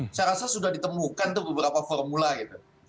saya rasa sudah ditemukan tuh beberapa formula gitu